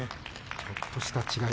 ちょっとした違い。